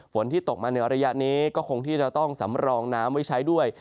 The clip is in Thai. ที่ตกมาในระยะนี้ก็คงที่จะต้องสำรองน้ำไว้ใช้ด้วย